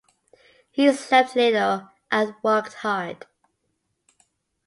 He slept little and worked hard.